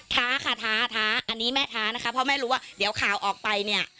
ท้าค่ะท้าท้าอันนี้แม่ท้านะคะเพราะแม่รู้ว่าเดี๋ยวข่าวออกไปเนี่ย